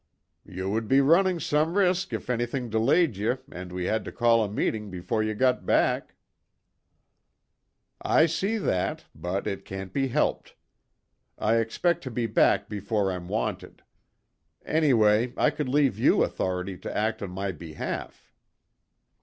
"Ye would be running some risk if anything delayed ye and we had to call a meeting before ye got back." "I see that, but it can't be helped. I expect to be back before I'm wanted. Anyway, I could leave you authority to act on my behalf."